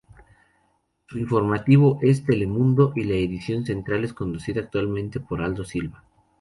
Su informativo es "Telemundo" y la edición central es conducida actualmente por Aldo Silva.